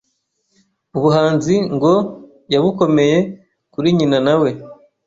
Ubuhanzi ngo yabukomeye kuri nyina na we